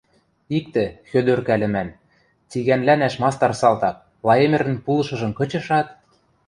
Иктӹ, Хӧдӧрка лӹмӓн, цигӓнлӓнӓш мастар салтак, Лаэмӹрӹн пулышыжым кычышат: